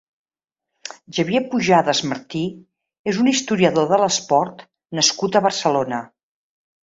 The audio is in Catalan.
Xavier Pujadas Martí és un historiador de l'esport nascut a Barcelona.